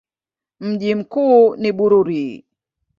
Mji mkuu ni Bururi.